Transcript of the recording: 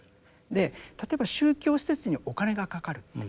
で例えば宗教施設にお金がかかるって。